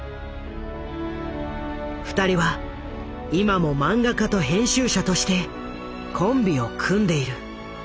２人は今も漫画家と編集者としてコンビを組んでいる。